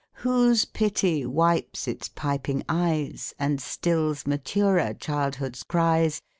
Whose pity wipes its piping eyes, And stills maturer childhood's cries.